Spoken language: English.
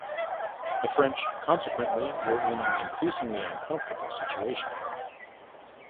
The French consequently were in an increasingly uncomfortable situation.